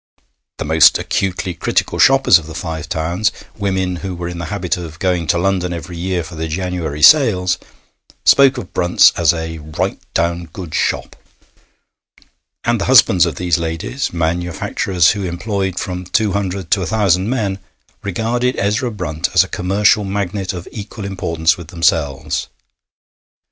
The most acutely critical shoppers of the Five Towns women who were in the habit of going to London every year for the January sales spoke of Brunt's as a 'right down good shop.' And the husbands of these ladies, manufacturers who employed from two hundred to a thousand men, regarded Ezra Brunt as a commercial magnate of equal importance with themselves.